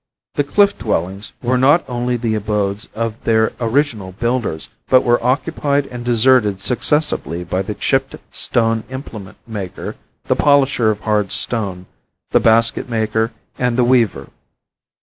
The cliff dwellings were not only the abodes of their original builders, but were occupied and deserted successively by the chipped stone implement maker, the polisher of hard stone, the basket maker and the weaver.